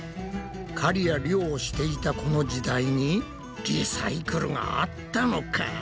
狩りや漁をしていたこの時代にリサイクルがあったのか！？